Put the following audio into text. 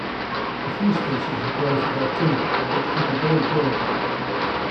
A few species are grown for their timber, which can be very durable.